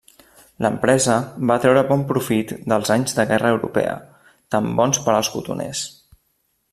L'empresa va treure bon profit dels anys de guerra europea, tan bons per als cotoners.